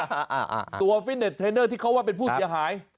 อ่าตัวฟิตเน็ตเทรนเนอร์ที่เขาว่าเป็นผู้เสียหาย